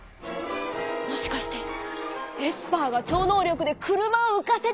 もしかしてエスパーが超能力で車をうかせてるとか？